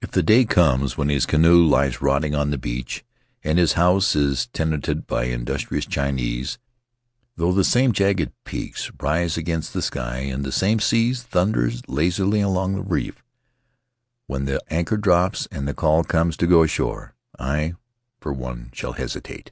If the day comes when his canoe lies rotting on the beach and his house is tenanted by industrious Chinese — though the same jagged peaks rise against the sky and the same sea thunders lazily along the reef — when the anchor drops and the call comes to go ashore, I, for one, shall hesitate.